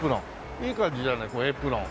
いい感じじゃないエプロン。